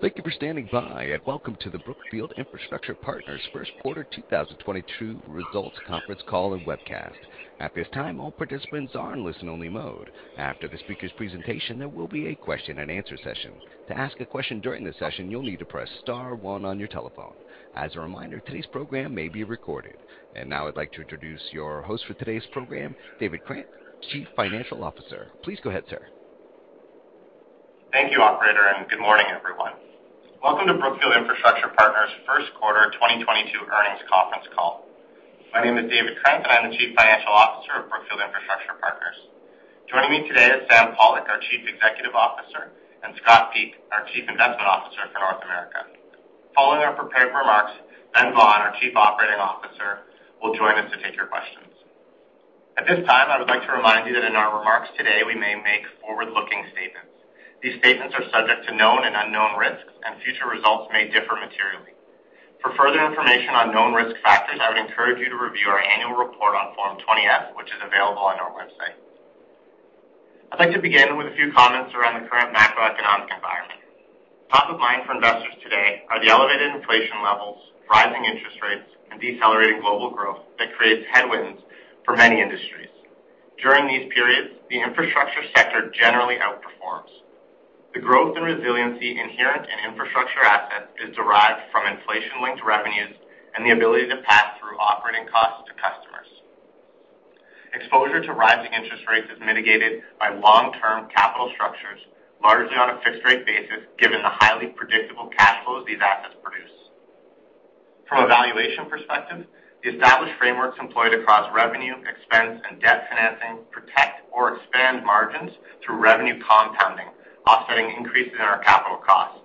Thank you for standing by, and welcome to the Brookfield Infrastructure Partners first quarter 2022 results conference call and webcast. At this time, all participants are in listen only mode. After the speaker's presentation, there will be a question and answer session. To ask a question during the session, you'll need to press star one on your telephone. As a reminder, today's program may be recorded. Now I'd like to introduce your host for today's program, David Krant, Chief Financial Officer. Please go ahead, sir. Thank you operator, and good morning everyone. Welcome to Brookfield Infrastructure Partners first quarter 2022 earnings conference call. My name is David Krant, and I'm the Chief Financial Officer of Brookfield Infrastructure Partners. Joining me today is Sam Pollock, our Chief Executive Officer, and Scott Peak, our Chief Investment Officer for North America. Following our prepared remarks, Ben Vaughan, our Chief Operating Officer, will join us to take your questions. At this time, I would like to remind you that in our remarks today we may make forward-looking statements. These statements are subject to known and unknown risks, and future results may differ materially. For further information on known risk factors, I would encourage you to review our annual report on Form 20-F, which is available on our website. I'd like to begin with a few comments around the current macroeconomic environment. Top of mind for investors today are the elevated inflation levels, rising interest rates, and decelerating global growth that creates headwinds for many industries. During these periods, the infrastructure sector generally outperforms. The growth and resiliency inherent in infrastructure assets is derived from inflation-linked revenues and the ability to pass through operating costs to customers. Exposure to rising interest rates is mitigated by long-term capital structures, largely on a fixed rate basis, given the highly predictable cash flows these assets produce. From a valuation perspective, the established frameworks employed across revenue, expense, and debt financing protect or expand margins through revenue compounding, offsetting increases in our capital costs.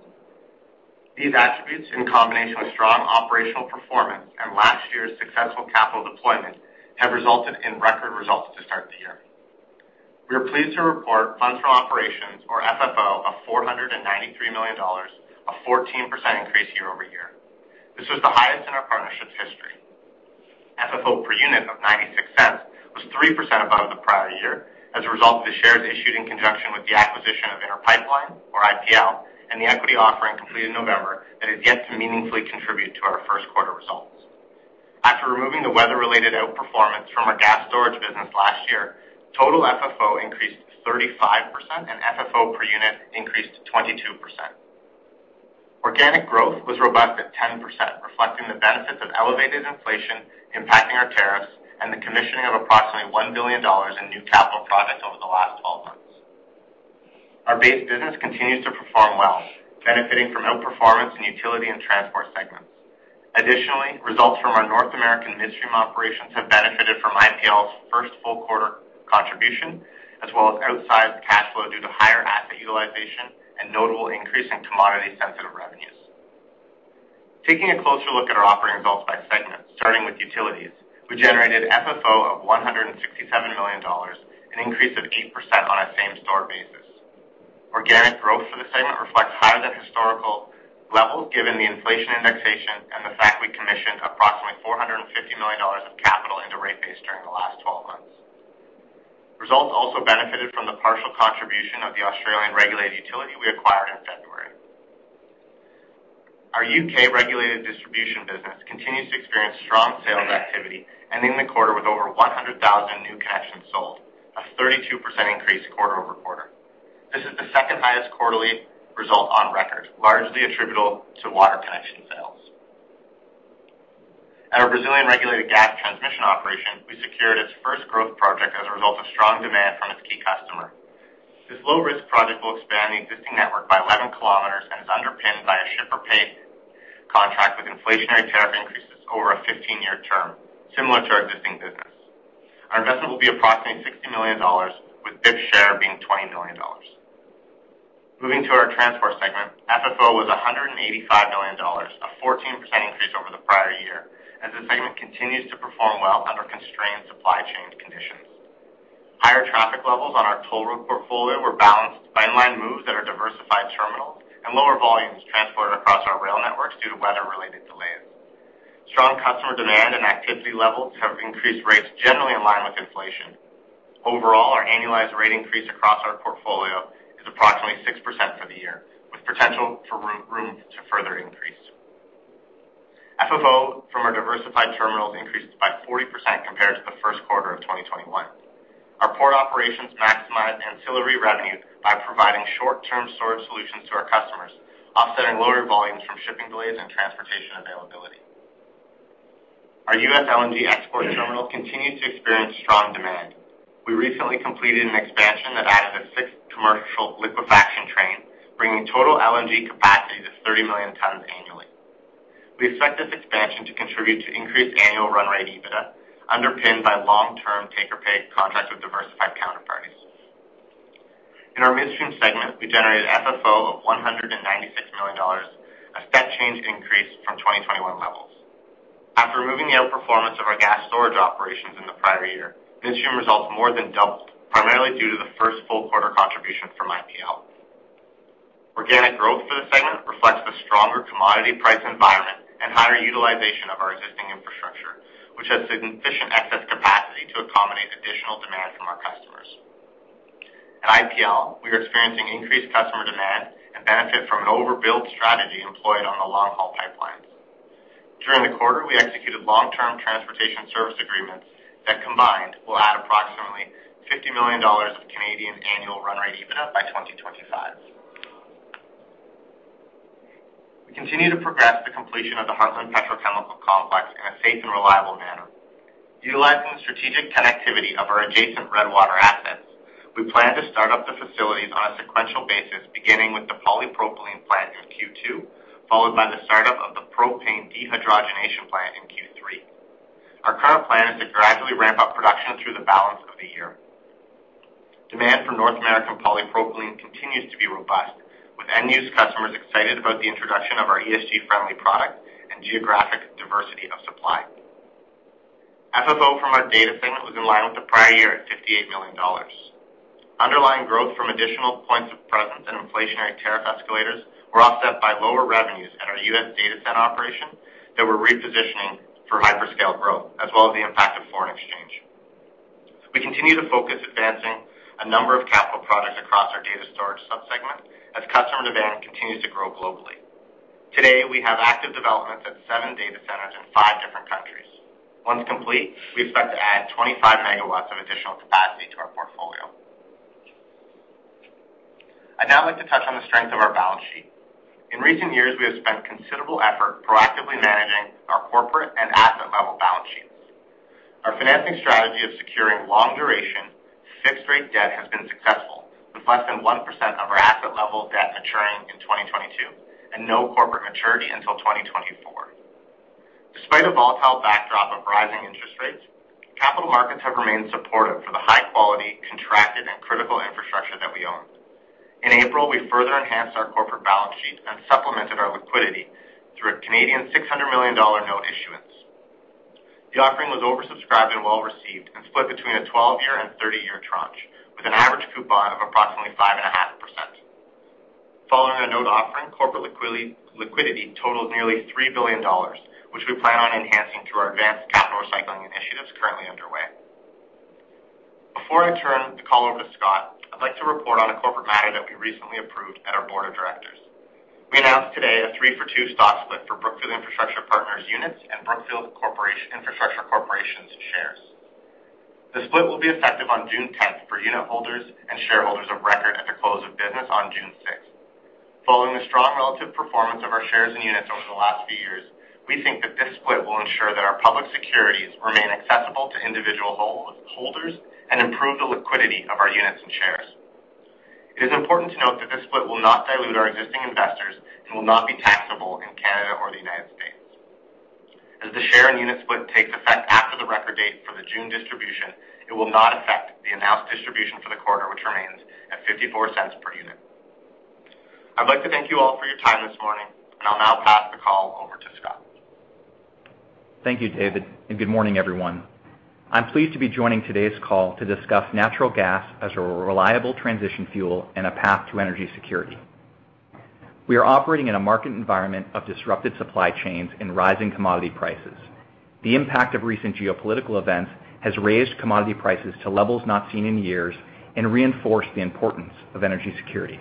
These attributes, in combination with strong operational performance and last year's successful capital deployment, have resulted in record results to start the year. We are pleased to report funds from operations or FFO of $493 million, a 14% increase year-over-year. This was the highest in our partnership's history. FFO per unit of $0.96 was 3% above the prior year as a result of the shares issued in conjunction with the acquisition of Inter Pipeline, or IPL, and the equity offering completed in November that is yet to meaningfully contribute to our first quarter results. After removing the weather-related outperformance from our gas storage business last year, total FFO increased 35% and FFO per unit increased 22%. Organic growth was robust at 10%, reflecting the benefits of elevated inflation impacting our tariffs and the commissioning of approximately $1 billion in new capital projects over the last twelve months. Our base business continues to perform well, benefiting from outperformance in utility and transport segments. Additionally, results from our North American midstream operations have benefited from IPL's first full quarter contribution, as well as outsized cash flow due to higher asset utilization and notable increase in commodity-sensitive revenues. Taking a closer look at our operating results by segment, starting with utilities, we generated FFO of $167 million, an increase of 8% on a same store basis. Organic growth for the segment reflects higher than historical levels given the inflation indexation and the fact we commissioned approximately $450 million of capital into rate base during the last 12 months. Results also benefited from the partial contribution of the Australian regulated utility we acquired in February. Our U.K. regulated distribution business continues to experience strong sales activity, ending the quarter with over 100,000 new connections sold, a 32% increase quarter-over-quarter. This is the second-highest quarterly result on record, largely attributable to water connection sales. At our Brazilian regulated gas transmission operation, we secured its first growth project as a result of strong demand from its key customer. This low-risk project will expand the existing network by 11 km and is underpinned by a ship-or-pay contract with inflationary tariff increases over a 15-year term, similar to our existing business. Our investment will be approximately $60 million with BIP's share being $20 million. Moving to our transport segment, FFO was $185 million, a 14% increase over the prior year, as the segment continues to perform well under constrained supply chain conditions. Higher traffic levels on our toll road portfolio were balanced by inland moves at our diversified terminals and lower volumes transported across our rail networks due to weather-related delays. Strong customer demand and activity levels have increased rates generally in line with inflation. Overall, our annualized rate increase across our portfolio is approximately 6% for the year, with potential for room to further increase. FFO from our diversified terminals increased by 40% compared to the first quarter of 2021. Our port operations maximize ancillary revenue by providing short-term storage solutions to our customers, offsetting lower volumes from shipping delays and transportation availability. Our U.S. LNG export terminals continue to experience strong demand. We recently completed an expansion that added a sixth commercial liquefaction train, bringing total LNG capacity to 30 million tons annually. We expect this expansion to contribute to increased annual run rate EBITDA, underpinned by long-term take-or-pay contracts with diversified counterparties. In our midstream segment, we generated FFO of $196 million, a step change increase from 2021 levels. After removing the outperformance of our gas storage operations in the prior year, midstream results more than doubled, primarily due to the first full quarter contribution from IPL. Organic growth for the segment reflects the stronger commodity price environment and higher utilization of our existing infrastructure, which has sufficient excess capacity. At IPL, we are experiencing increased customer demand and benefit from an overbuild strategy employed on the long-haul pipelines. During the quarter, we executed long-term transportation service agreements that combined will add approximately 50 million dollars of annual run rate EBITDA by 2025. We continue to progress the completion of the Heartland Petrochemical Complex in a safe and reliable manner. Utilizing the strategic connectivity of our adjacent Redwater assets, we plan to start up the facilities on a sequential basis, beginning with the polypropylene plant in Q2, followed by the startup of the propane dehydrogenation plant in Q3. Our current plan is to gradually ramp up production through the balance of the year. Demand for North American polypropylene continues to be robust, with end-use customers excited about the introduction of our ESG-friendly product and geographic diversity of supply. FFO from our data segment was in line with the prior year at $58 million. Underlying growth from additional points of presence and inflationary tariff escalators were offset by lower revenues at our U.S. data center operation that we're repositioning for hyperscale growth, as well as the impact of foreign exchange. We continue to focus on advancing a number of capital projects across our data storage sub-segment as customer demand continues to grow globally. Today, we have active developments at seven data centers in five different countries. Once complete, we expect to add 25 MW of additional capacity to our portfolio. I'd now like to touch on the strength of our balance sheet. In recent years, we have spent considerable effort proactively managing our corporate and asset-level balance sheets. Our financing strategy of securing long-duration, fixed-rate debt has been successful, with less than 1% of our asset-level debt maturing in 2022 and no corporate maturity until 2024. Despite a volatile backdrop of rising interest rates, capital markets have remained supportive for the high-quality contracted and critical infrastructure that we own. In April, we further enhanced our corporate balance sheet and supplemented our liquidity through a 600 million Canadian dollars note issuance. The offering was oversubscribed and well-received and split between a 12-year and 30-year tranche, with an average coupon of approximately 5.5%. Following the note offering, corporate liquidity totaled nearly $3 billion, which we plan on enhancing through our advanced capital recycling initiatives currently underway. Before I turn the call over to Scott, I'd like to report on a corporate matter that we recently approved at our board of directors. We announced today a three-for-two stock split for Brookfield Infrastructure Partners units and Brookfield Infrastructure Corporation's shares. The split will be effective on June tenth for unitholders and shareholders of record at the close of business on June sixth. Following the strong relative performance of our shares and units over the last few years, we think that this split will ensure that our public securities remain accessible to individual hold-holders and improve the liquidity of our units and shares. It is important to note that this split will not dilute our existing investors and will not be taxable in Canada or the United States. As the share and unit split takes effect after the record date for the June distribution, it will not affect the announced distribution for the quarter, which remains at $0.54 per unit. I'd like to thank you all for your time this morning, and I'll now pass the call over to Scott. Thank you, David, and good morning, everyone. I'm pleased to be joining today's call to discuss natural gas as a reliable transition fuel and a path to energy security. We are operating in a market environment of disrupted supply chains and rising commodity prices. The impact of recent geopolitical events has raised commodity prices to levels not seen in years and reinforced the importance of energy security.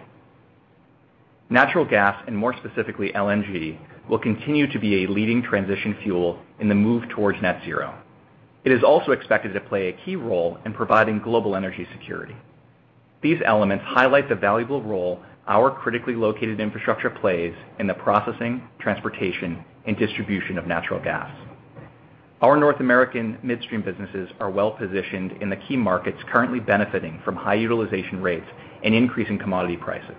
Natural gas, and more specifically LNG, will continue to be a leading transition fuel in the move towards net zero. It is also expected to play a key role in providing global energy security. These elements highlight the valuable role our critically located infrastructure plays in the processing, transportation, and distribution of natural gas. Our North American midstream businesses are well-positioned in the key markets currently benefiting from high utilization rates and increasing commodity prices.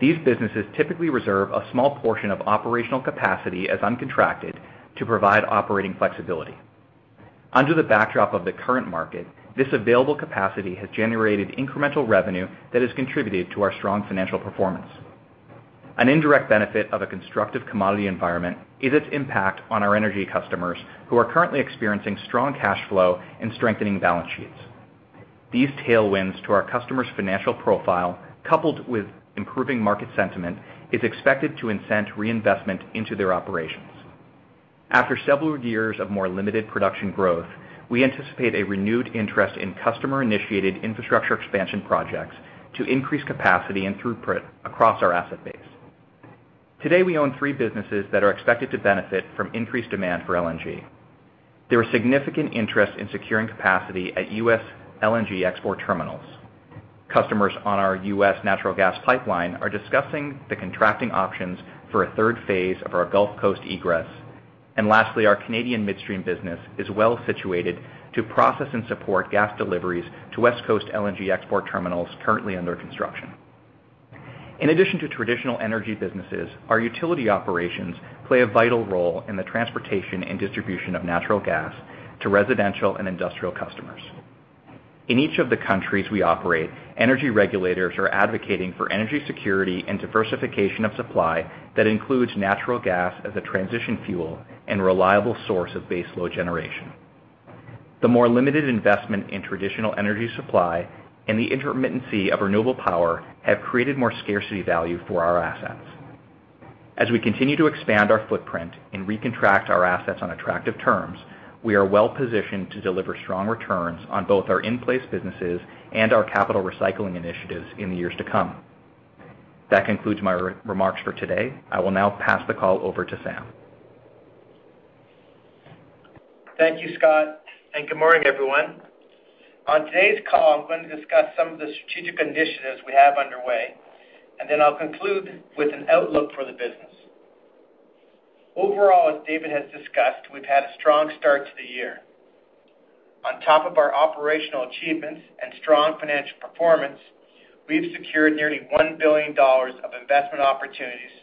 These businesses typically reserve a small portion of operational capacity as uncontracted to provide operating flexibility. Under the backdrop of the current market, this available capacity has generated incremental revenue that has contributed to our strong financial performance. An indirect benefit of a constructive commodity environment is its impact on our energy customers, who are currently experiencing strong cash flow and strengthening balance sheets. These tailwinds to our customers' financial profile, coupled with improving market sentiment, is expected to incent reinvestment into their operations. After several years of more limited production growth, we anticipate a renewed interest in customer-initiated infrastructure expansion projects to increase capacity and throughput across our asset base. Today, we own three businesses that are expected to benefit from increased demand for LNG. There is significant interest in securing capacity at U.S. LNG export terminals. Customers on our U.S. natural gas pipeline are discussing the contracting options for a third phase of our Gulf Coast egress. Lastly, our Canadian midstream business is well situated to process and support gas deliveries to West Coast LNG export terminals currently under construction. In addition to traditional energy businesses, our utility operations play a vital role in the transportation and distribution of natural gas to residential and industrial customers. In each of the countries we operate, energy regulators are advocating for energy security and diversification of supply that includes natural gas as a transition fuel and reliable source of baseload generation. The more limited investment in traditional energy supply and the intermittency of renewable power have created more scarcity value for our assets. As we continue to expand our footprint and recontract our assets on attractive terms, we are well-positioned to deliver strong returns on both our in-place businesses and our capital recycling initiatives in the years to come. That concludes my prepared remarks for today. I will now pass the call over to Sam. Thank you, Scott, and good morning, everyone. On today's call, I'm going to discuss some of the strategic initiatives we have underway, and then I'll conclude with an outlook for the business. Overall, as David has discussed, we've had a strong start to the year. On top of our operational achievements and strong financial performance, we've secured nearly $1 billion of investment opportunities,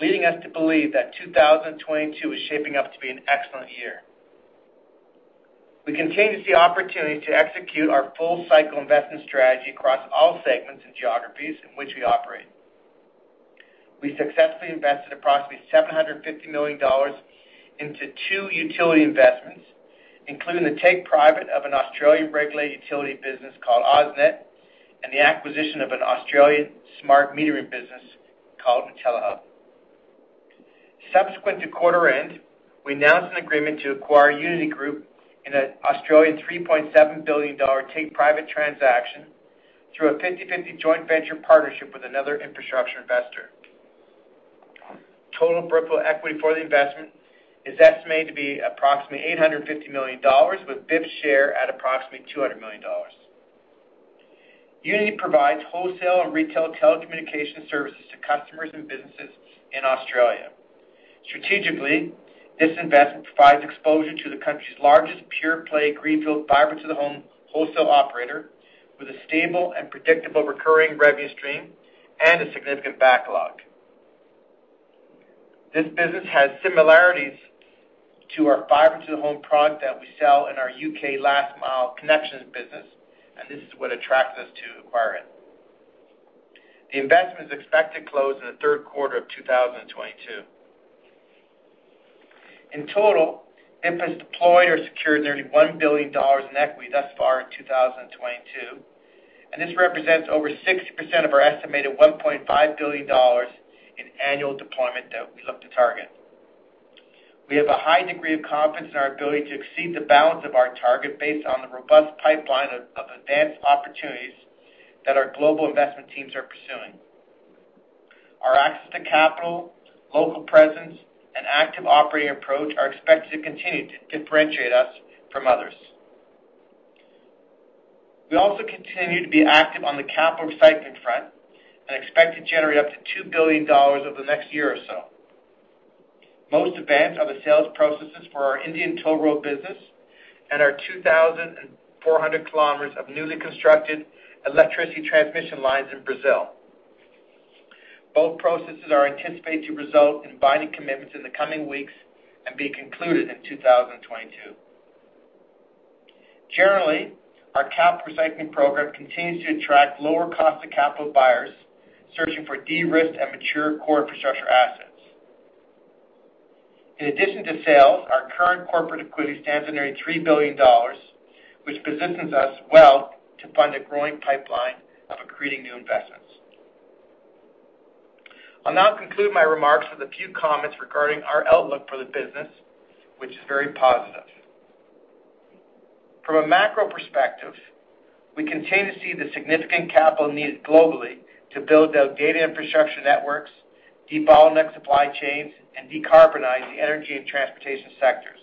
leading us to believe that 2022 is shaping up to be an excellent year. We continue to see opportunities to execute our full cycle investment strategy across all segments and geographies in which we operate. We successfully invested approximately $750 million into two utility investments, including the take private of an Australian regulated utility business called AusNet, and the acquisition of an Australian smart metering business called Intellihub. Subsequent to quarter end, we announced an agreement to acquire Uniti Group in an Australian 3.7 billion Australian dollars take private transaction through a 50/50 joint venture partnership with another infrastructure investor. Total book equity for the investment is estimated to be approximately $850 million, with BIP's share at approximately $200 million. Uniti Group provides wholesale and retail telecommunications services to customers and businesses in Australia. Strategically, this investment provides exposure to the country's largest pure-play greenfield fiber to the home wholesale operator with a stable and predictable recurring revenue stream and a significant backlog. This business has similarities to our fiber to the home product that we sell in our UK Last Mile Connections business, and this is what attracts us to acquire it. The investment is expected to close in the third quarter of 2022. In total, BIP has deployed or secured nearly $1 billion in equity thus far in 2022, and this represents over 60% of our estimated $1.5 billion in annual deployment that we look to target. We have a high degree of confidence in our ability to exceed the balance of our target based on the robust pipeline of advanced opportunities that our global investment teams are pursuing. Our access to capital, local presence, and active operating approach are expected to continue to differentiate us from others. We also continue to be active on the capital recycling front and expect to generate up to $2 billion over the next year or so. Most advanced are the sales processes for our Indian toll road business and our 2,400 kilometers of newly constructed electricity transmission lines in Brazil. Both processes are anticipated to result in binding commitments in the coming weeks and be concluded in 2022. Generally, our cap recycling program continues to attract lower cost of capital buyers searching for de-risked and mature core infrastructure assets. In addition to sales, our current corporate equity stands at nearly $3 billion, which positions us well to fund a growing pipeline of accreting new investments. I'll now conclude my remarks with a few comments regarding our outlook for the business, which is very positive. From a macro perspective, we continue to see the significant capital needs globally to build out data infrastructure networks, debottleneck supply chains, and decarbonize the energy and transportation sectors.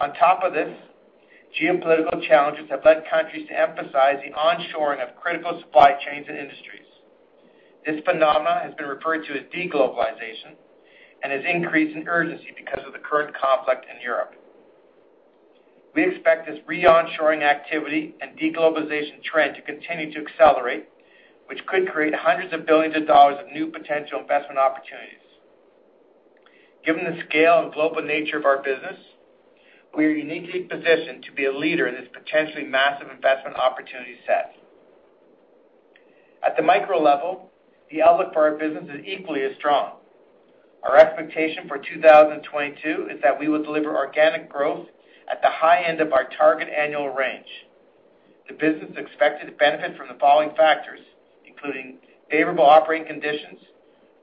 On top of this, geopolitical challenges have led countries to emphasize the onshoring of critical supply chains and industries. This phenomenon has been referred to as deglobalization and has increased in urgency because of the current conflict in Europe. We expect this re-onshoring activity and deglobalization trend to continue to accelerate, which could create hundreds of billions of new potential investment opportunities. Given the scale and global nature of our business, we are uniquely positioned to be a leader in this potentially massive investment opportunity set. At the micro level, the outlook for our business is equally as strong. Our expectation for 2022 is that we will deliver organic growth at the high end of our target annual range. The business is expected to benefit from the following factors, including favorable operating conditions,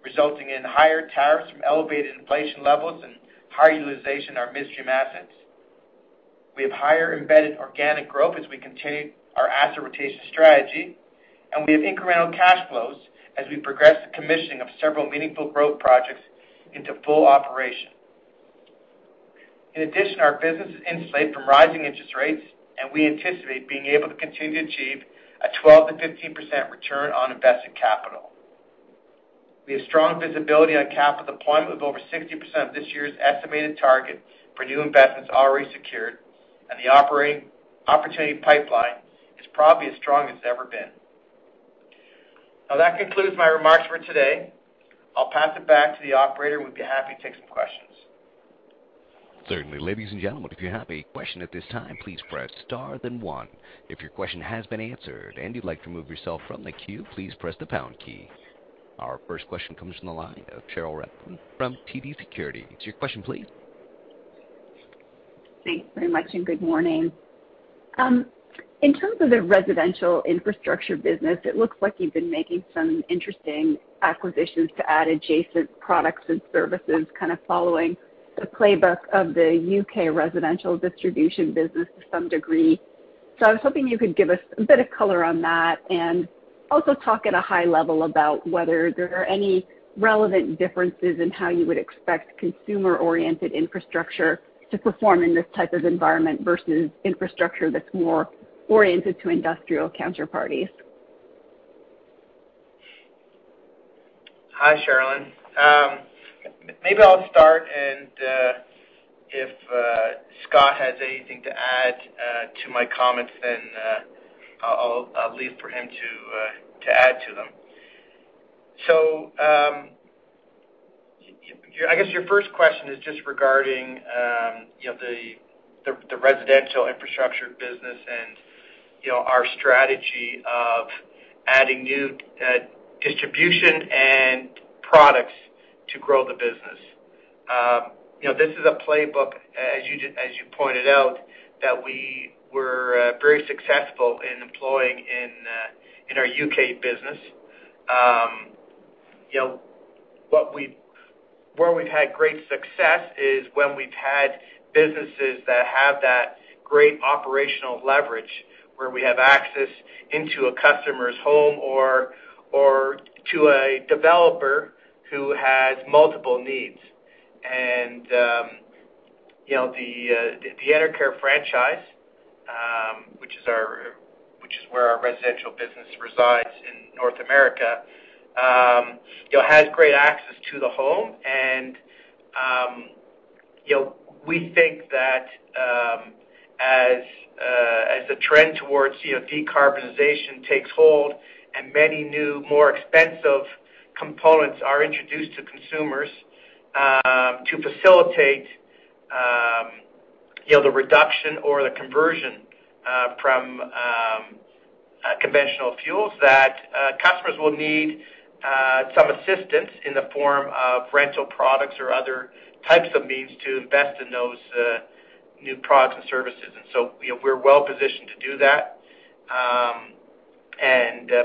resulting in higher tariffs from elevated inflation levels and higher utilization of our midstream assets. We have higher embedded organic growth as we continue our asset rotation strategy, and we have incremental cash flows as we progress the commissioning of several meaningful growth projects into full operation. In addition, our business is insulated from rising interest rates, and we anticipate being able to continue to achieve a 12%-15% return on invested capital. We have strong visibility on capital deployment with over 60% of this year's estimated target for new investments already secured, and the opportunity pipeline is probably as strong as it's ever been. Now that concludes my remarks for today. I'll pass it back to the operator, and we'd be happy to take some questions. Certainly. Ladies and gentlemen, if you have a question at this time, please press star then one. If your question has been answered and you'd like to remove yourself from the queue, please press the pound key. Our first question comes from the line of Cherilyn Radbourne from TD Cowen. What's your question, please? Thanks very much, and good morning. In terms of the residential infrastructure business, it looks like you've been making some interesting acquisitions to add adjacent products and services, kind of following the playbook of the U.K. residential distribution business to some degree. I was hoping you could give us a bit of color on that, and also talk at a high level about whether there are any relevant differences in how you would expect consumer-oriented infrastructure to perform in this type of environment versus infrastructure that's more oriented to industrial counterparties. Hi, Cherilyn. Maybe I'll start, and if Scott has anything to add to my comments, then I'll leave for him to add to them. Your first question is just regarding, you know, the residential infrastructure business and, you know, our strategy of adding new distribution and products to grow the business. You know, this is a playbook, as you just pointed out, that we were very successful in employing in our UK business. You know, where we've had great success is when we've had businesses that have that great operational leverage, where we have access into a customer's home or to a developer who has multiple needs. you know, the Enercare franchise, which is where our residential business resides in North America, you know, has great access to the home. you know, we think that as the trend towards you know decarbonization takes hold and many new more expensive components are introduced to consumers to facilitate you know the reduction or the conversion from conventional fuels that customers will need some assistance in the form of rental products or other types of means to invest in those new products and services. you know, we're well-positioned to do that.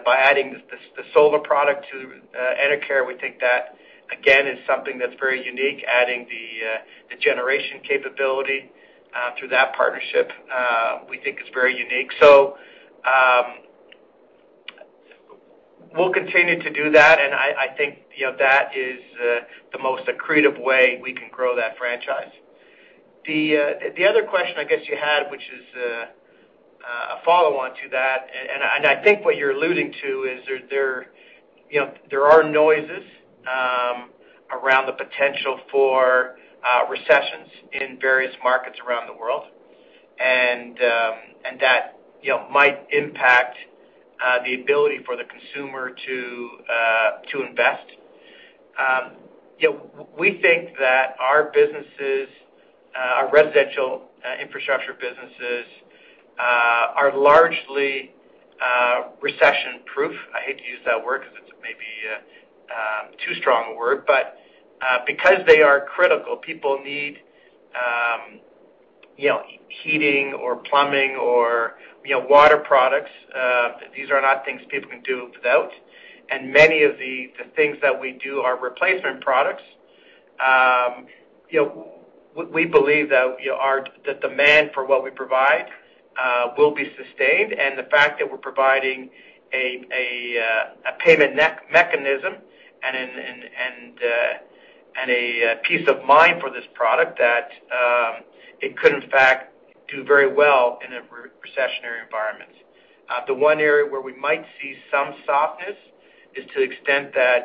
by adding the solar product to Enercare, we think that again is something that's very unique. Adding the generation capability through that partnership, we think is very unique. We'll continue to do that, and I think, you know, that is the most accretive way we can grow that franchise. The other question I guess you had, which is a follow-on to that, and I think what you're alluding to is there, you know, there are noises around the potential for recessions in various markets around the world. That, you know, might impact the ability for the consumer to invest. You know, we think that our businesses, our residential infrastructure businesses, are largely recession-proof. I hate to use that word because it's maybe too strong a word. because they are critical, people need, you know, heating or plumbing or, you know, water products, these are not things people can do without. Many of the things that we do are replacement products. You know, we believe that, you know, the demand for what we provide will be sustained. The fact that we're providing a payment mechanism and a peace of mind for this product that it could in fact do very well in a recessionary environment. The one area where we might see some softness is to the extent that,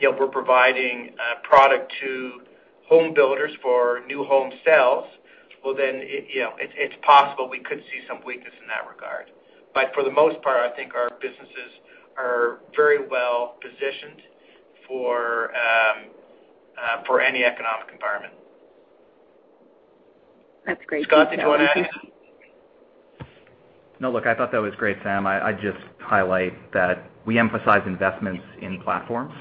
you know, we're providing product to home builders for new home sales, well, then it, you know, it's possible we could see some weakness in that regard. For the most part, I think our businesses are very well positioned for any economic environment. That's great detail. Thank you. Scott, do you want to add? No. Look, I thought that was great, Sam. I'd just highlight that we emphasize investments in platforms.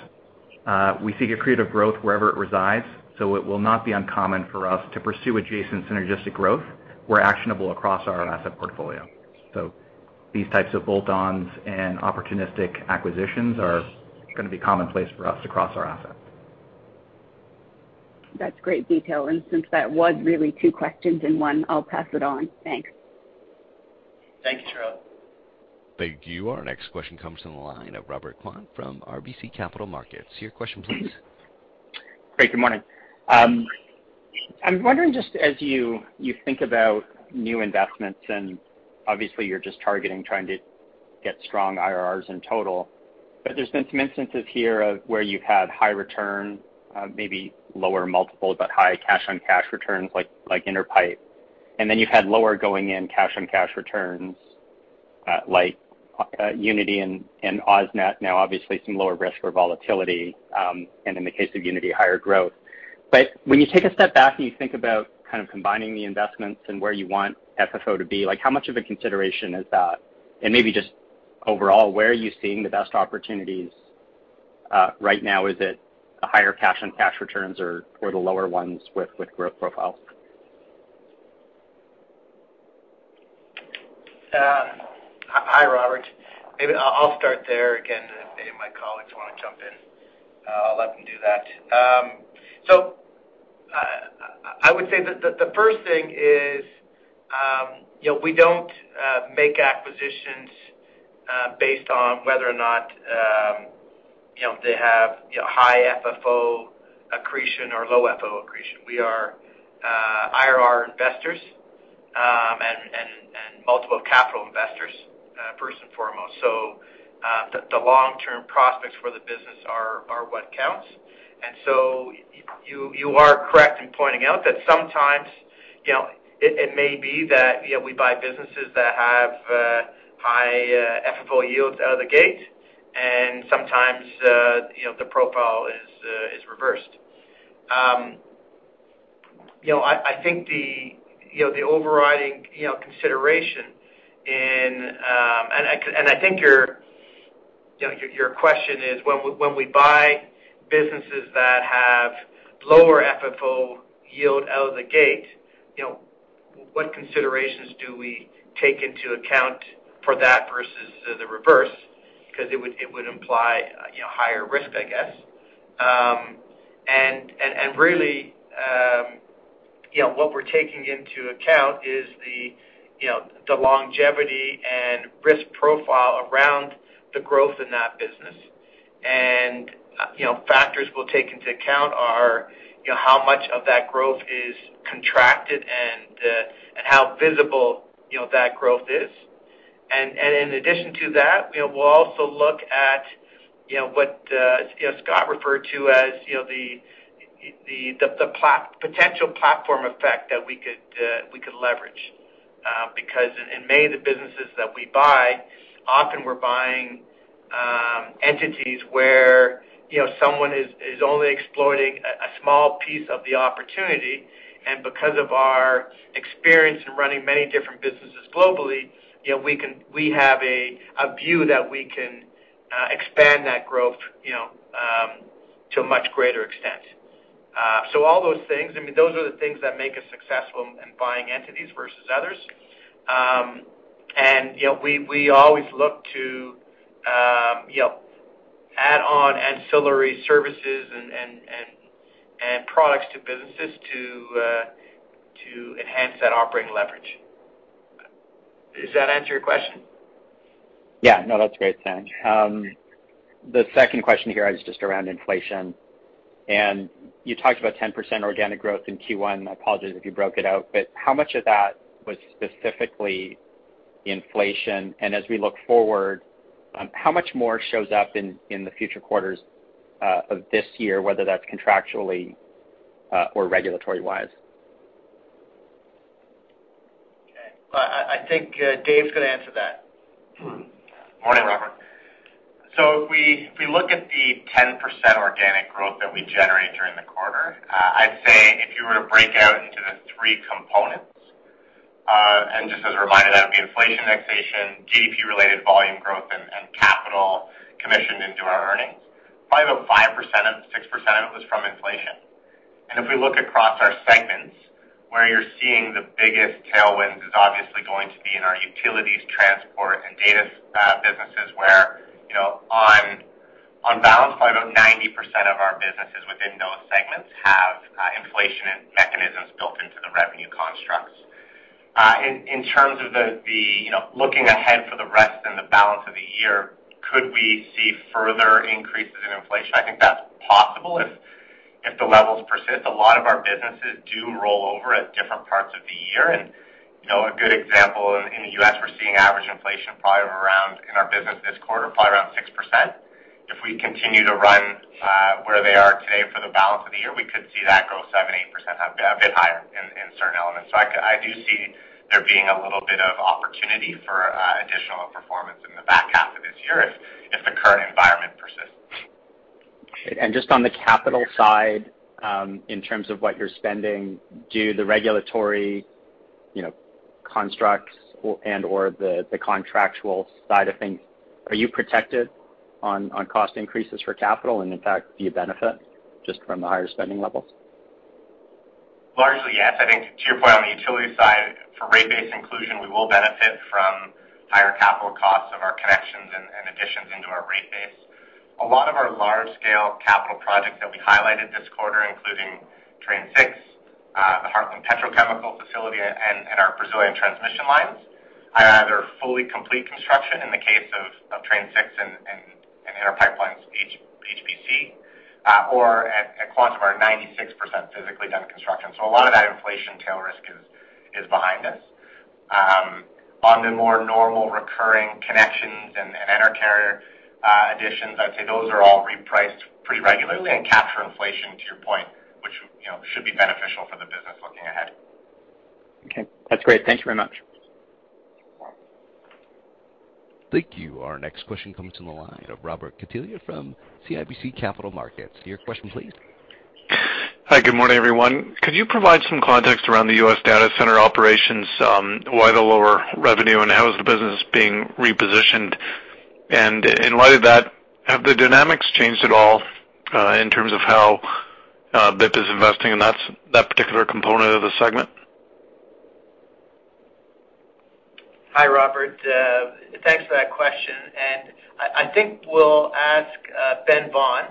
We seek accretive growth wherever it resides, so it will not be uncommon for us to pursue adjacent synergistic growth where actionable across our asset portfolio. These types of bolt-ons and opportunistic acquisitions are gonna be commonplace for us across our assets. That's great detail. Since that was really two questions in one, I'll pass it on. Thanks. Thank you, Cherilyn. Thank you. Our next question comes from the line of Robert Kwan from RBC Capital Markets. Your question, please. Great. Good morning. I'm wondering just as you think about new investments, and obviously you're just targeting trying to get strong IRRs in total, but there's been some instances here of where you've had high return, maybe lower multiple but high cash-on-cash returns, like Enercare. And then you've had lower going in cash-on-cash returns, like Uniti and AusNet. Now, obviously some lower risk for volatility, and in the case of Uniti, higher growth. When you take a step back and you think about kind of combining the investments and where you want FFO to be, like how much of a consideration is that? And maybe just overall, where are you seeing the best opportunities right now, is it a higher cash-on-cash returns or the lower ones with growth profiles? Hi, Robert. Maybe I'll start there again. If any of my colleagues wanna jump in, I'll let them do that. I would say that the first thing is, you know, we don't make acquisitions based on whether or not, you know, they have, you know, high FFO accretion or low FFO accretion. We are IRR investors and multiple capital investors first and foremost. The long-term prospects for the business are what counts. You are correct in pointing out that sometimes, you know, it may be that, you know, we buy businesses that have high FFO yields out of the gate, and sometimes, you know, the profile is reversed. I think the overriding consideration. I think your question is when we buy businesses that have lower FFO yield out of the gate, you know, what considerations do we take into account for that versus the reverse? Because it would imply, you know, higher risk, I guess. Really, you know, what we're taking into account is the longevity and risk profile around the growth in that business. You know, factors we'll take into account are, you know, how much of that growth is contracted and how visible, you know, that growth is. In addition to that, you know, we'll also look at, you know, what Scott referred to as, you know, the potential platform effect that we could leverage. Because in many of the businesses that we buy, often we're buying entities where, you know, someone is only exploiting a small piece of the opportunity. Because of our experience in running many different businesses globally, you know, we have a view that we can expand that growth, you know, to a much greater extent. All those things, I mean, those are the things that make us successful in buying entities versus others. You know, we always look to you know, add on ancillary services and products to businesses to enhance that operating leverage. Does that answer your question? Yeah. No, that's great, Dan. The second question here is just around inflation. You talked about 10% organic growth in Q1. I apologize if you broke it out, but how much of that was specifically inflation? As we look forward, how much more shows up in the future quarters of this year, whether that's contractually or regulatory-wise? Okay. Well, I think Dave's gonna answer that. Morning, Robert. If we look at the 10% organic growth that we generated during the quarter, I'd say if you were to break out into the three components, and just as a reminder, that would be inflation indexation, GDP-related volume growth and capital commissioned into our earnings, probably about 5%, 6% of it was from inflation. If we look across our segments, where you're seeing the biggest tailwinds is obviously going to be in our utilities, transport and data businesses where, you know, on balance, probably about 90% of our businesses within those segments have inflation mechanisms built into the revenue constructs. In terms of looking ahead for the rest and the balance of the year, could we see further increases in inflation? I think that's possible if the levels persist. A lot of our businesses do roll over at different parts of the year. You know, a good example, in the US, we're seeing average inflation probably around in our business this quarter, probably around 6%. If we continue to run where they are today for the balance of the year, we could see that grow 7%-8%, a bit higher in certain elements. I do see there being a little bit of opportunity for additional performance in the back half of this year if the current environment persists. Just on the capital side, in terms of what you're spending, do the regulatory, you know, constructs and/or the contractual side of things, are you protected on cost increases for capital? In fact, do you benefit just from the higher spending levels? Largely, yes. I think to your point on the utility side, for rate base inclusion, we will benefit from higher capital costs of our connections and additions into our rate base. A lot of our large scale capital projects that we highlighted this quarter, including Train 6, the Heartland Petrochemical facility and our Brazilian transmission lines are either fully complete construction in the case of Train 6 and Inter Pipeline's HPC, or at Quantum were 96% physically done construction. A lot of that inflation tail risk is behind us. On the more normal recurring connections and Enercare additions, I'd say those are all repriced pretty regularly and capture inflation to your point, which, you know, should be beneficial for the business looking ahead. Okay. That's great. Thank you very much. You're welcome. Thank you. Our next question comes from the line of Robert Catellier from CIBC Capital Markets. Your question please. Hi, good morning, everyone. Could you provide some context around the U.S. data center operations? Why the lower revenue and how is the business being repositioned? In light of that, have the dynamics changed at all, in terms of how BIP is investing in that particular component of the segment? Hi, Robert. Thanks for that question. I think we'll ask Ben Vaughan,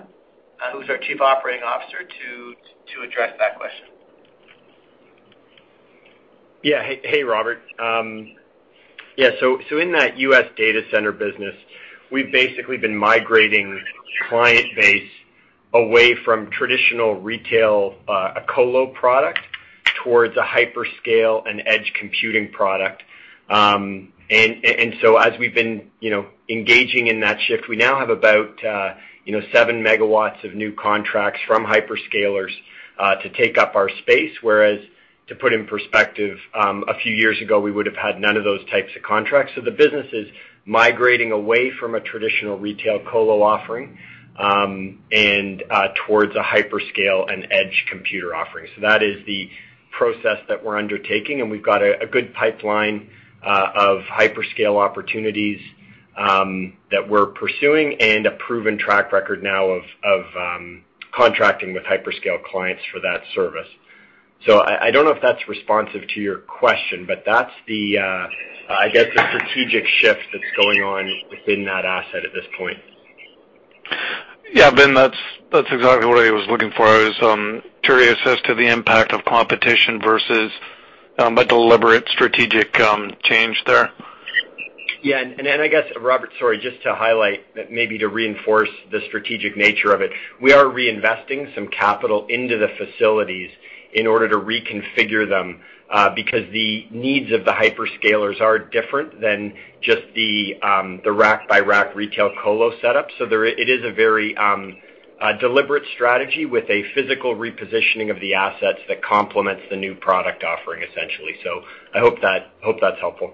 who's our Chief Operating Officer, to address that question. Hey, Robert. In that U.S. data center business, we've basically been migrating client base away from traditional retail, a colocation product towards a hyperscale and edge computing product. As we've been, you know, engaging in that shift, we now have about, you know, 7 MWs of new contracts from hyperscalers, to take up our space. Whereas to put in perspective, a few years ago, we would've had none of those types of contracts. The business is migrating away from a traditional retail colocation offering, and towards a hyperscale and edge computing offering. That is the process that we're undertaking, and we've got a good pipeline of hyperscale opportunities that we're pursuing and a proven track record now of contracting with hyperscale clients for that service. I don't know if that's responsive to your question, but that's, I guess, the strategic shift that's going on within that asset at this point. Yeah. Ben, that's exactly what I was looking for. I was curious as to the impact of competition versus a deliberate strategic change there. I guess, Robert, sorry, just to highlight maybe to reinforce the strategic nature of it, we are reinvesting some capital into the facilities in order to reconfigure them, because the needs of the hyperscalers are different than just the rack-by-rack retail colocation setup. It is a very deliberate strategy with a physical repositioning of the assets that complements the new product offering essentially. I hope that's helpful.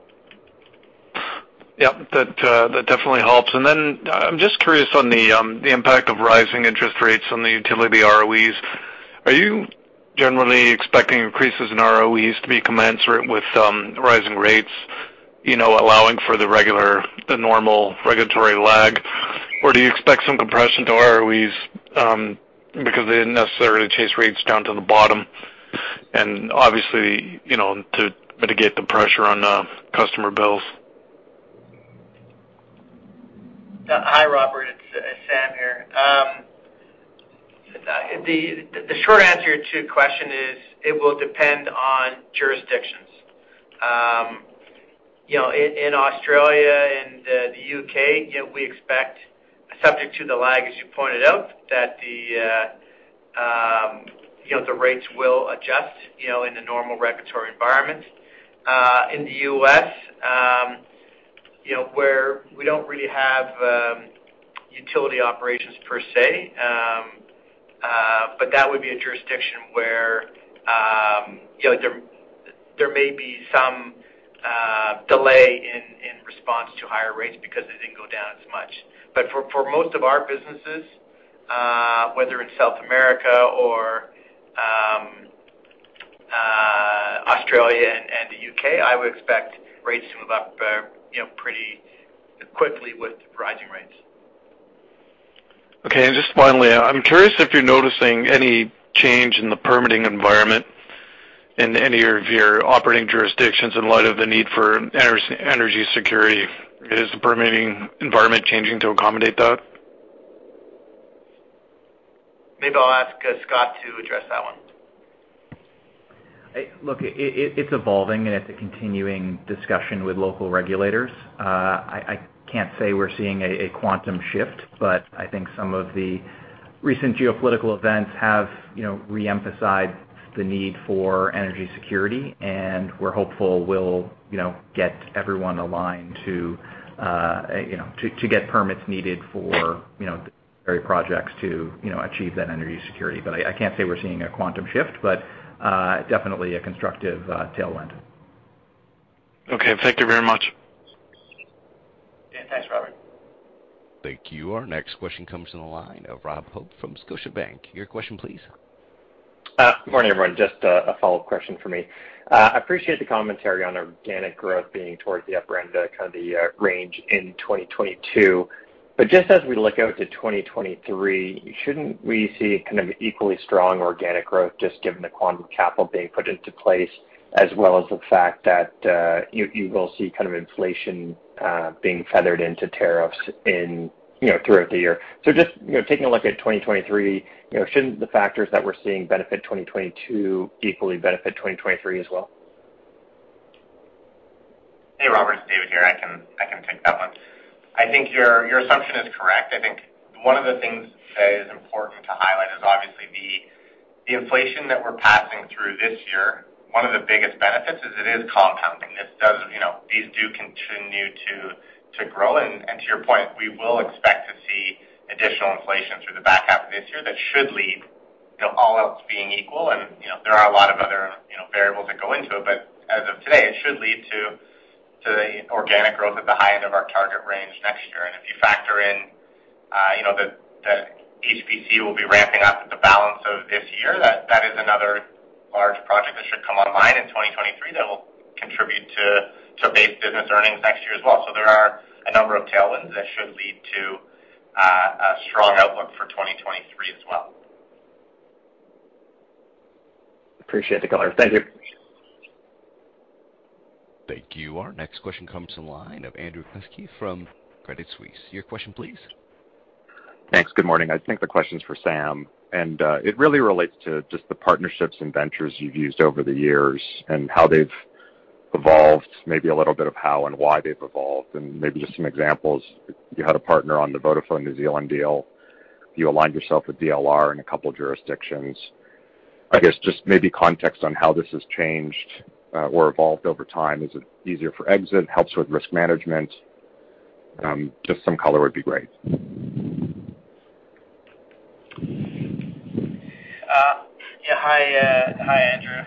Yep. That definitely helps. I'm just curious on the impact of rising interest rates on the utility ROEs. Are you generally expecting increases in ROEs to be commensurate with rising rates, you know, allowing for the normal regulatory lag? Or do you expect some compression to ROEs because they didn't necessarily chase rates down to the bottom and obviously, you know, to mitigate the pressure on customer bills? Hi, Robert. It's Sam here. The short answer to your question is it will depend on jurisdictions. You know, in Australia and the U.K., you know, we expect subject to the lag, as you pointed out, that the rates will adjust, you know, in the normal regulatory environment. In the U.S., you know, where we don't really have utility operations per se, but that would be a jurisdiction where you know, there may be some delay in response to higher rates because they didn't go down as much. For most of our businesses, whether it's South America or Australia and the U.K., I would expect rates to move up, you know, pretty quickly with rising rates. Okay. Just finally, I'm curious if you're noticing any change in the permitting environment in any of your operating jurisdictions in light of the need for energy security. Is the permitting environment changing to accommodate that? Maybe I'll ask, Scott to address that one. Look, it's evolving, and it's a continuing discussion with local regulators. I can't say we're seeing a quantum shift, but I think some of the recent geopolitical events have, you know, reemphasized the need for energy security. We're hopeful we'll, you know, get everyone aligned to get permits needed for various projects to achieve that energy security. I can't say we're seeing a quantum shift, but definitely a constructive tailwind. Okay. Thank you very much. Yeah. Thanks, Robert. Thank you. Our next question comes from the line of Robert Hope from Scotiabank. Your question please. Good morning, everyone. Just a follow-up question for me. I appreciate the commentary on organic growth being towards the upper end, kind of the range in 2022. Just as we look out to 2023, shouldn't we see kind of equally strong organic growth just given the quantum capital being put into place, as well as the fact that you will see kind of inflation being factored into tariffs, you know, throughout the year? Just, you know, taking a look at 2023, you know, shouldn't the factors that we're seeing benefit 2022 equally benefit 2023 as well? Hey, Robert. It's David here. I can take that one. I think your assumption is correct. I think one of the things that is important to highlight is obviously the inflation that we're passing through this year. One of the biggest benefits is it is compounding. This doesn't, you know, these do continue to grow. To your point, we will expect to see additional inflation through the back half of this year that should lead to all else being equal. You know, there are a lot of other, you know, variables that go into it. But as of today, it should lead to the organic growth at the high end of our target range. You know, the HPC will be ramping up in the balance of this year. That is another large project that should come online in 2023 that will contribute to base business earnings next year as well. There are a number of tailwinds that should lead to a strong outlook for 2023 as well. Appreciate the color. Thank you. Thank you. Our next question comes to the line of Andrew Kuske from Credit Suisse. Your question please. Thanks. Good morning. I think the question's for Sam, and it really relates to just the partnerships and ventures you've used over the years and how they've evolved, maybe a little bit of how and why they've evolved, and maybe just some examples. You had a partner on the Vodafone New Zealand deal. You aligned yourself with DLR in a couple jurisdictions. I guess just maybe context on how this has changed or evolved over time. Is it easier for exit, helps with risk management? Just some color would be great. Hi, Andrew.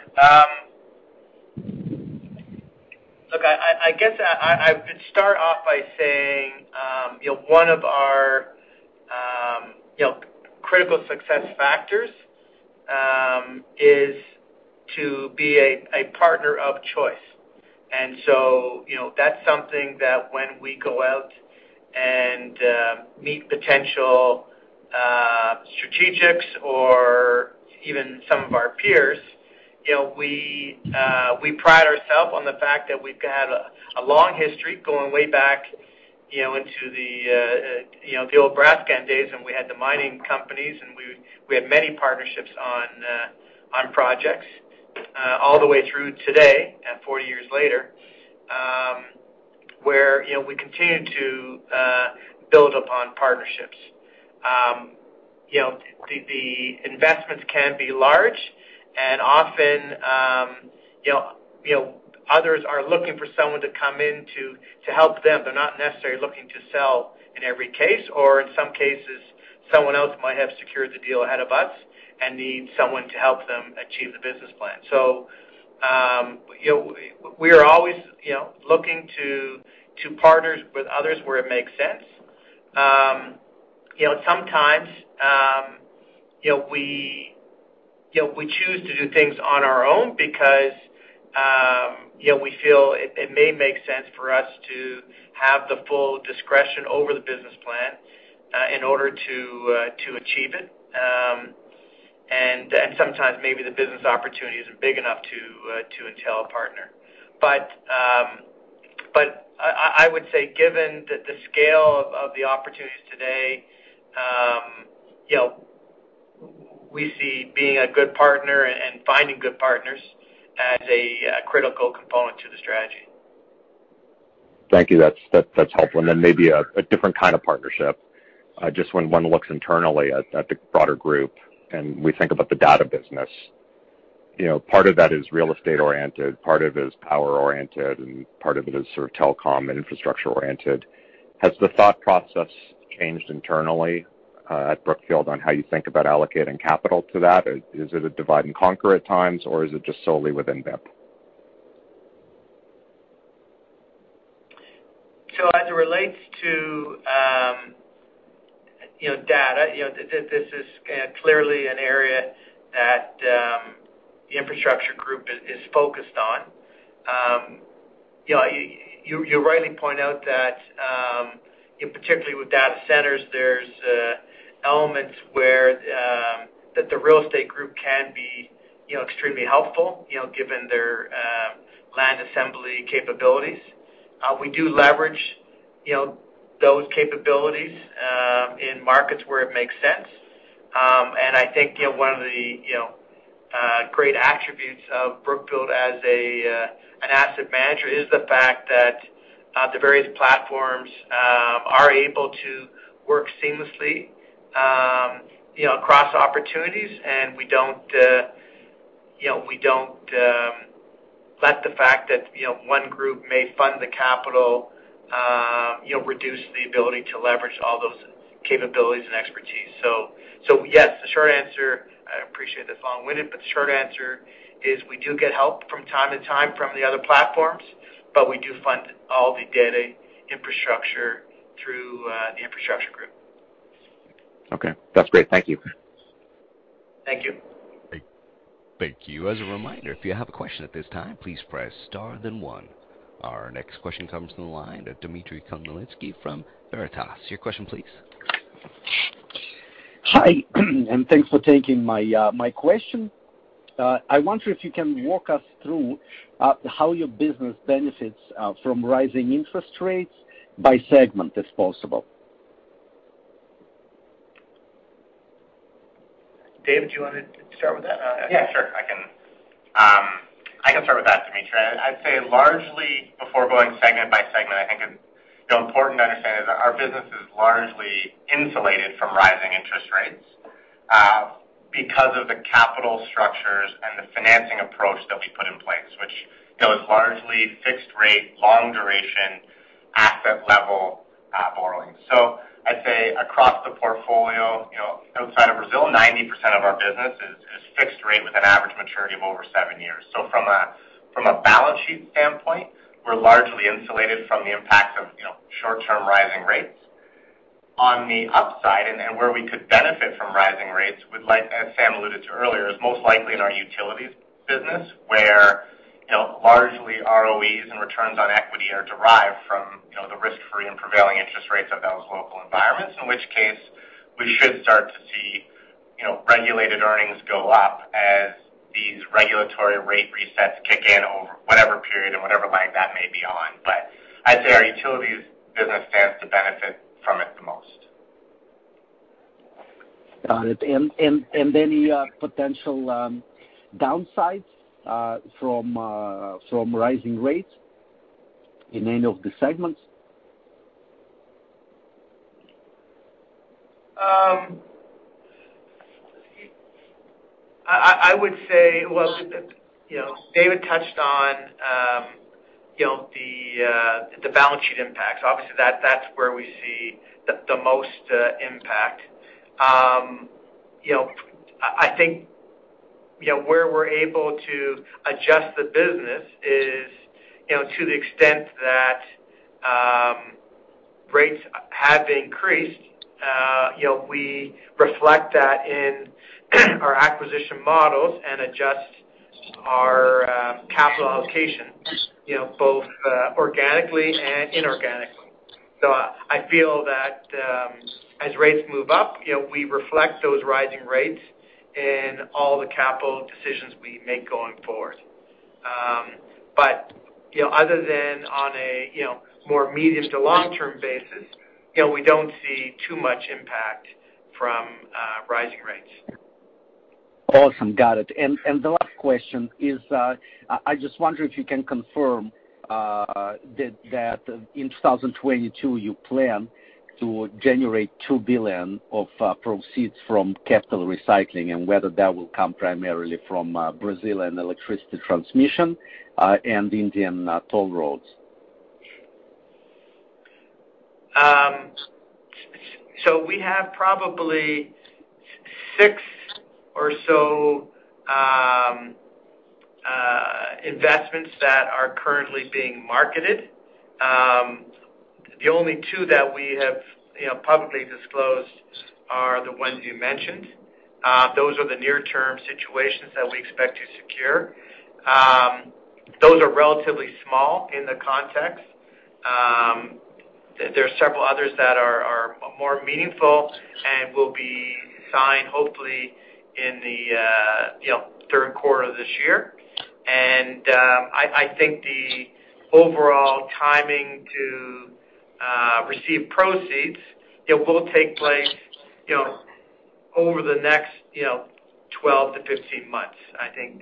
Look, I guess I would start off by saying, you know, one of our, you know, critical success factors is to be a partner of choice. You know, that's something that when we go out and meet potential strategics or even some of our peers, you know, we pride ourself on the fact that we've had a long history going way back, you know, into the old Brascan days, and we had the mining companies, and we had many partnerships on projects all the way through today and 40 years later, where, you know, we continue to build upon partnerships. You know, the investments can be large and often, you know, others are looking for someone to come in to help them. They're not necessarily looking to sell in every case, or in some cases, someone else might have secured the deal ahead of us and need someone to help them achieve the business plan. You know, we are always, you know, looking to partner with others where it makes sense. You know, sometimes, you know, we choose to do things on our own because, you know, we feel it may make sense for us to have the full discretion over the business plan, in order to achieve it. Sometimes maybe the business opportunities are big enough to entail a partner. I would say given the scale of the opportunities today, you know, we see being a good partner and finding good partners as a critical component to the strategy. Thank you. That's helpful. Then maybe a different kind of partnership, just when one looks internally at the broader group, and we think about the data business. You know, part of that is real estate oriented, part of it is power oriented, and part of it is sort of telecom and infrastructure oriented. Has the thought process changed internally at Brookfield on how you think about allocating capital to that? Is it a divide and conquer at times, or is it just solely within BIP? As it relates to, you know, data, you know, this is clearly an area that the infrastructure group is focused on. You know, you rightly point out that, you know, particularly with data centers, there's elements where that the real estate group can be, you know, extremely helpful, you know, given their land assembly capabilities. We do leverage, you know, those capabilities in markets where it makes sense. I think, you know, one of the, you know, great attributes of Brookfield as a an asset manager is the fact that the various platforms are able to work seamlessly, you know, across opportunities. We don't, you know, let the fact that, you know, one group may fund the capital, you know, reduce the ability to leverage all those capabilities and expertise. So yes, the short answer, I appreciate it's long-winded, but the short answer is we do get help from time to time from the other platforms, but we do fund all the data infrastructure through the infrastructure group. Okay. That's great. Thank you. Thank you. Thank you. As a reminder, if you have a question at this time, please press star then one. Our next question comes from the line of Dimitry Khmelnitsky from Veritas. Your question please. Hi, thanks for taking my question. I wonder if you can walk us through how your business benefits from rising interest rates by segment, if possible. David, do you want to start with that? Yeah, sure. I can start with that, Dimitry. I'd say largely before going segment by segment, I think the important thing to understand is that our business is largely insulated from rising interest rates because of the capital structures and the financing approach that we put in place, which, you know, is largely fixed rate, long duration, asset level borrowing. I'd say across the portfolio, you know, outside of Brazil, 90% of our business is fixed rate with an average maturity of over seven years. From a balance sheet standpoint, we're largely insulated from the impact of, you know, short-term rising rates. On the upside and where we could benefit from rising rates, as Sam alluded to earlier, is most likely in our utilities business where, you know, largely ROEs and returns on equity are derived from, you know, the risk-free and prevailing interest rates of those local environments. In which case we should start to see, you know, regulated earnings go up as these regulatory rate resets kick in over whatever period or whatever line that may be on. I'd say our utilities business stands to benefit from it the most. Got it. Any potential downsides from rising rates in any of the segments? I would say. Well, you know, David touched on, you know, the balance sheet impacts. Obviously, that's where we see the most impact. You know, I think, you know, where we're able to adjust the business is, you know, to the extent that rates have increased, you know, we reflect that in our acquisition models and adjust our capital allocation, you know, both organically and inorganically. I feel that, as rates move up, you know, we reflect those rising rates in all the capital decisions we make going forward. You know, other than on a more immediate to long-term basis, you know, we don't see too much impact from rising rates. Awesome. Got it. The last question is, I just wonder if you can confirm that in 2022 you plan to generate $2 billion of proceeds from capital recycling and whether that will come primarily from Brazil and electricity transmission, and Indian toll roads. We have probably six or so investments that are currently being marketed. The only two that we have publicly disclosed are the ones you mentioned. Those are the near-term situations that we expect to secure. Those are relatively small in the context. There are several others that are more meaningful and will be signed hopefully in the, you know, third quarter of this year. I think the overall timing to receive proceeds, it will take place, you know, over the next 12-15 months. I think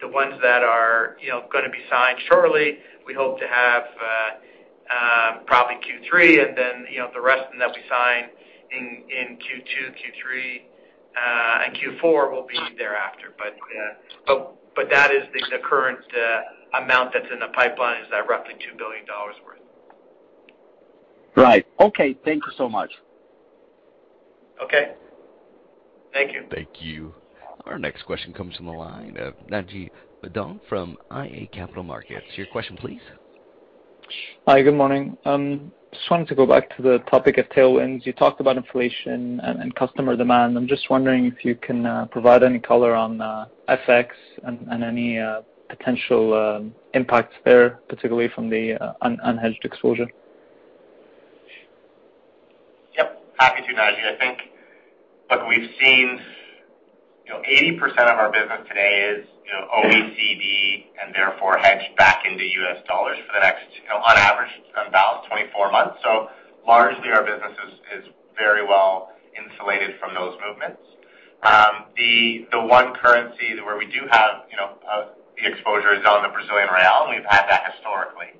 the ones that are, you know, gonna be signed shortly, we hope to have probably Q3, and then, you know, the rest of them that we sign in Q2, Q3, and Q4 will be thereafter. That is the current amount that's in the pipeline. Is that roughly $2 billion worth? Right. Okay. Thank you so much. Okay. Thank you. Thank you. Our next question comes from the line of Naji Baydoun from iA Capital Markets. Your question please. Hi, good morning. Just wanted to go back to the topic of tailwinds. You talked about inflation and customer demand. I'm just wondering if you can provide any color on FX and any potential impacts there, particularly from the unhedged exposure. Yep. Happy to, Naji. I think. Look, we've seen, you know, 80% of our business today is, you know, OECD and therefore hedged back into US dollars for the next, you know, on average, about 24 months. Largely our business is very well insulated from those movements. The one currency where we do have, you know, the exposure is on the Brazilian real, and we've had that historically.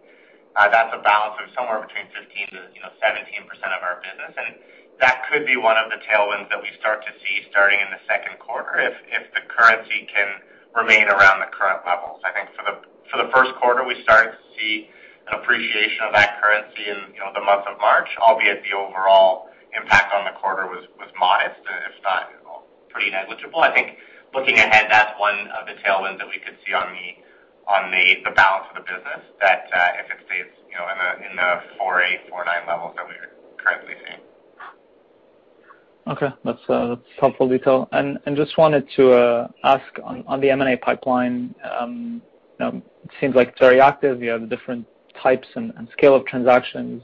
That's a balance of somewhere between 15%-17% of our business, and that could be one of the tailwinds that we start to see starting in the second quarter if the currency can remain around the current levels. I think for the first quarter, we started to see an appreciation of that currency in, you know, the month of March, albeit the overall impact on the quarter was modest, if not at all pretty negligible. I think looking ahead, that's one of the tailwinds that we could see on the balance of the business that, if it stays, you know, in the 4.8, 4.9 levels that we're currently seeing. Okay. That's helpful detail. Just wanted to ask on the M&A pipeline, you know, it seems like it's very active. You have different types and scale of transactions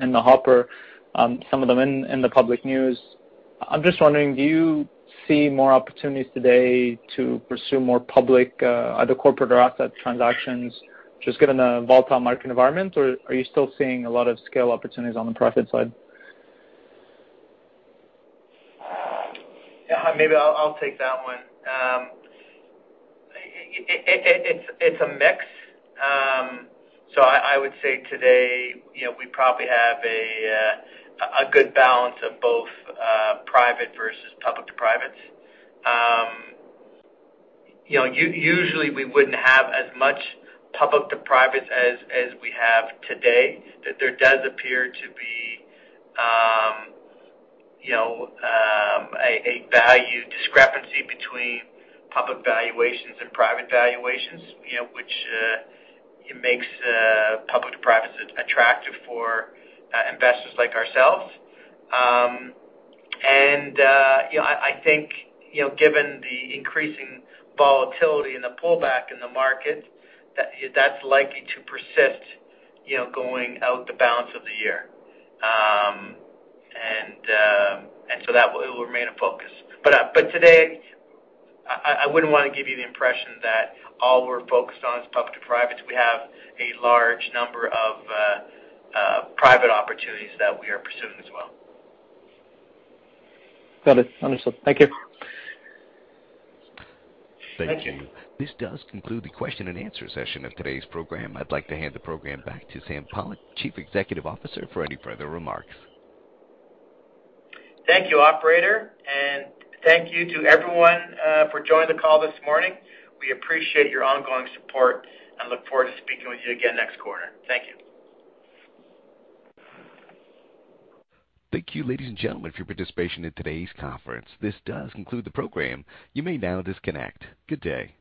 in the hopper, some of them in the public news. I'm just wondering, do you see more opportunities today to pursue more public either corporate or asset transactions, just given the volatile market environment? Or are you still seeing a lot of scale opportunities on the private side? Yeah. Maybe I'll take that one. It's a mix. So I would say today, you know, we probably have a good balance of both, private versus public to privates. You know, usually we wouldn't have as much public to privates as we have today. That there does appear to be a value discrepancy between public valuations and private valuations, you know, which makes public to privates attractive for investors like ourselves. And you know, I think, you know, given the increasing volatility and the pullback in the market, that's likely to persist, you know, going out the balance of the year. And so that will remain a focus. Today I wouldn't wanna give you the impression that all we're focused on is public to privates. We have a large number of private opportunities that we are pursuing as well. Got it. Understood. Thank you. Thank you. This does conclude the question and answer session of today's program. I'd like to hand the program back to Sam Pollock, Chief Executive Officer, for any further remarks. Thank you, operator, and thank you to everyone, for joining the call this morning. We appreciate your ongoing support and look forward to speaking with you again next quarter. Thank you. Thank you, ladies and gentlemen, for your participation in today's conference. This does conclude the program. You may now disconnect. Good day.